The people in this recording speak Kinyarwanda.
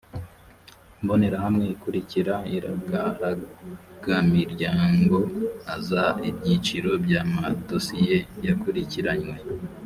imbonerahamwe ikurikira iragaragmiryangoaza ibyiciro by amadosiye yakurikiranywe